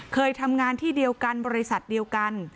เคยทำงานที่เดียวกันบริษัทเดียวกัน